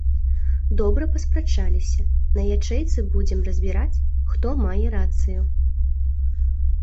Добра паспрачаліся, на ячэйцы будзем разбіраць, хто мае рацыю.